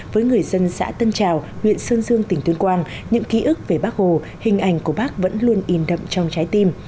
với người dân xã tân trào huyện sơn dương tỉnh tuyên quang những ký ức về bác hồ hình ảnh của bác vẫn luôn in đậm trong trái tim